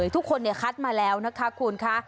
ทุกคนคัดมาแล้วนะคะคุณค่ะ